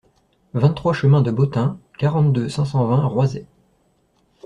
vingt-trois chemin de Beautin, quarante-deux, cinq cent vingt, Roisey